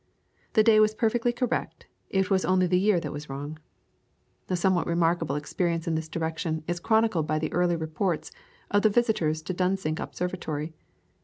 The day was perfectly correct; it was only the year that was wrong. A somewhat remarkable experience in this direction is chronicled by the early reports of the visitors to Dunsink Observatory.